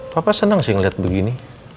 papa senang sih ngeliat begini